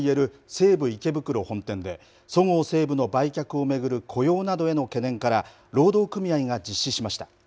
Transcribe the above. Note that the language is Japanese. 西武池袋本店でそごう・西武の売却を巡る雇用などへの懸念から労働組合が実施しました。